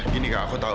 gini kak aku tau